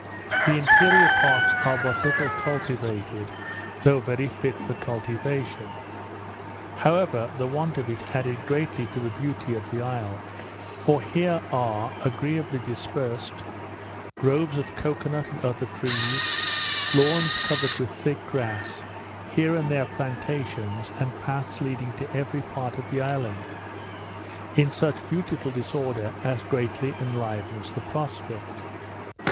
The interior parts are but little cultivated, though very fit for cultivation. However, the want of it added greatly to the beauty of the isle; for here are, agreeably dispersed, groves of cocoa nut and other trees, lawns covered with thick grass, here and there plantations, and paths leading to every part of the island, in such beautiful disorder, as greatly enlivens the prospect.